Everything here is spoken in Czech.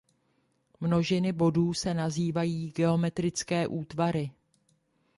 Množiny bodů se nazývají geometrické útvary.